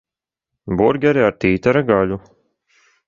Burgeri ar tītara gaļu.